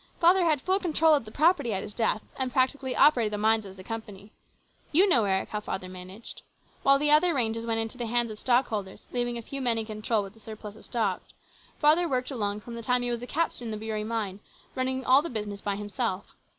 Father had full control of the property at his death, and practically operated the mines as the company. You know, Eric, how father managed. While the other ranges went into the hands of stockholders, leaving a few men in control with a surplus of stock, father worked along from the time he was a captain in the Beury mine, running all the business by himself.